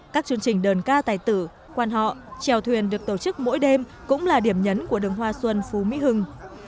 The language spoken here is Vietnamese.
các chương trình đơn ca tài tử quan họ trèo thuyền được tổ chức mỗi đêm cũng là điểm nhấn của đường hoa xuân phú mỹ hưng